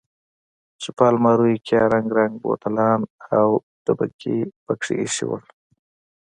چې په الماريو کښې يې رنګ رنګ بوتلان او ډبکې پکښې ايښي وو.